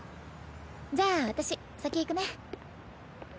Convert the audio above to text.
じゃあ私先行くね。